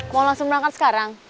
mau langsung berangkat sekarang